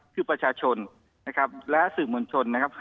คือประชาชนนะครับและสื่อมวลชนนะครับ